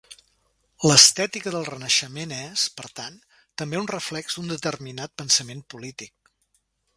L'estètica del Renaixement és, per tant, també un reflex d'un determinat pensament polític.